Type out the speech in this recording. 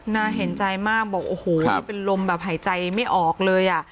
น่าเห็นใจมากบอกโอ้โหเป็นลมแบบหายใจไม่ออกเลยอ่ะ